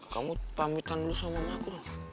kamu pamitan lu sama makro